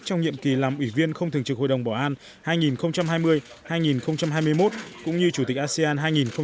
trong nhiệm kỳ làm ủy viên không thường trực hội đồng bảo an hai nghìn hai mươi hai nghìn hai mươi một cũng như chủ tịch asean hai nghìn hai mươi